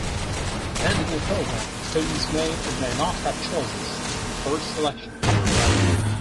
Depending on the program, students may or may not have choices in course selection.